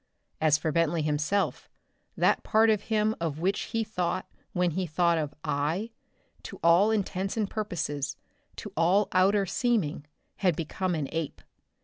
As for Bentley himself, that part of him of which he thought when he thought of "I," to all intents and purposes, to all outer seeming, had become an ape.